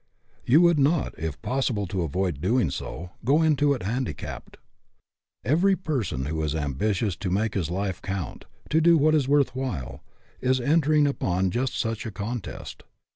You would not, if possible to avoid doing so, go into it handicapped. Every person who is ambitious to make his life count, to do what is worth while, is enter ing upon just such a contest.